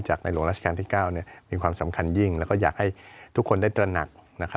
ในหลวงราชการที่๙มีความสำคัญยิ่งแล้วก็อยากให้ทุกคนได้ตระหนัก